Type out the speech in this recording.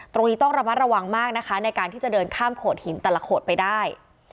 ตรงนี้ต้องระมัดระวังมากนะคะในการที่จะเดินข้ามโขดหินแต่ละโขดไปได้